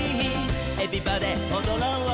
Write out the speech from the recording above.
「エビバデおどろう」